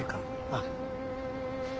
ああ。